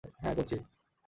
হ্যাঁ, করছি।